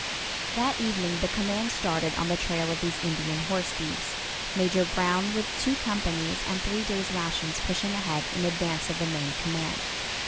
That evening the command started on the trail of these Indian horse thieves, Major Brown with two companies and three days' rations pushing ahead in advance of the main command.